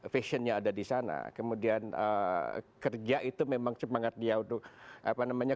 fashionnya ada di sana kemudian kerja itu memang semangat dia untuk apa namanya